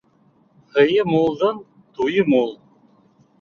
Һыйы мулдың туйы мул.